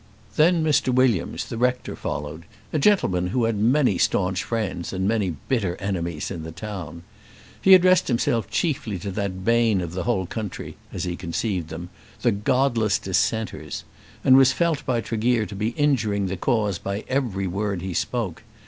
Then Mr. Williams, the rector, followed, a gentleman who had many staunch friends and many bitter enemies in the town. He addressed himself chiefly to that bane of the whole country, as he conceived them, the godless dissenters; and was felt by Tregear to be injuring the cause by every word he spoke.